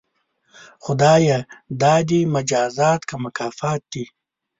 خدایه دا دې مجازات که مکافات دي؟